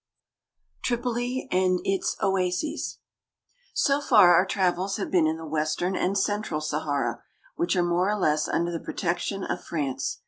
TRIPOLI AND ITS OASES SO far our travels have been in the western and central Sahara, which are more or less under the protection of France.